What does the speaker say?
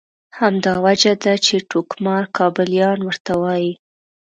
همدا وجه ده چې ټوکمار کابلیان ورته وایي.